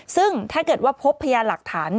ซึ่งถ้าเกิดว่าพบพยานหลักฐาน